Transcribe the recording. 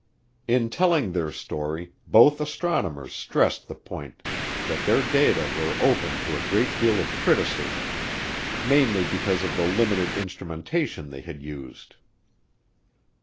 In telling their story, both astronomers stressed the point that their data were open to a great deal of criticism, mainly because of the limited instrumentation they had used.